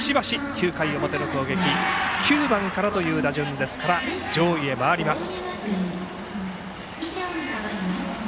９回表の攻撃は９番からという打順ですから上位へ回ります。